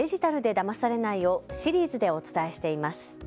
だまされないをシリーズでお伝えしています。